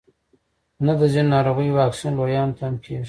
نه د ځینو ناروغیو واکسین لویانو ته هم کیږي